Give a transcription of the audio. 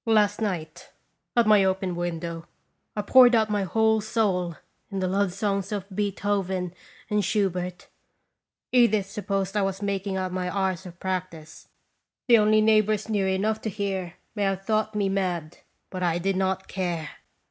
Last night, at my open window, I poured out my whole soul in the love songs of Beethoven and Schu bert. Edith supposed I was making out my hours of practice. The only neighbors near enough to hear may have thought me mad, but I did not care.